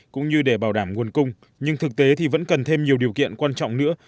cũng như để bảo đảm nguồn cung nhưng thực tế thì vẫn cần thêm nhiều điều kiện quan trọng nữa